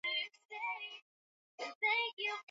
iliyopanuliwa ya Jumuiya ya Afrika Mashariki kufuatia